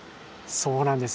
そうなんです。